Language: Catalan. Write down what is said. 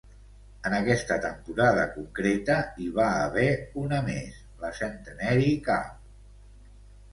En aquesta temporada concreta, hi va haver una més, la Centenary Cup.